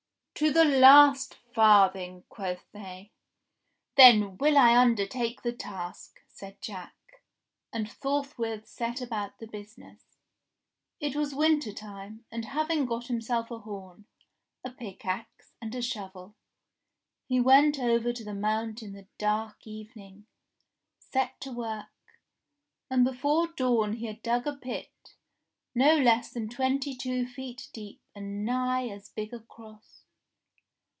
"To the last farthing," quoth they. "Then will I undertake the task," said Jack, and forth with set about the business. It was winter time, and having got himself a horn, a pickaxe, and a shovel, he went over to the Mount in the dark evening, set to work, and before dawn he had dug a pit, no less than twenty two feet deep and nigh as big across.